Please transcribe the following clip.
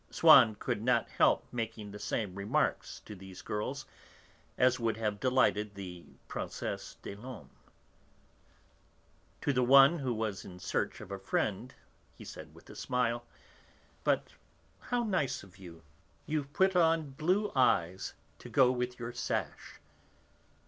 Swann could not help making the same remarks to these girls as would have delighted the Princesse des Laumes. To the one who was in search of a friend he said, with a smile: "But how nice of you, you've put on blue eyes, to go with your sash."